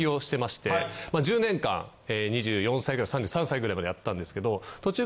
２４歳から３３歳ぐらいまでやったんですけど。